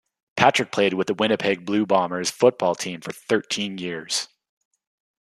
Patrick played with the Winnipeg Blue Bombers football team for thirteen years.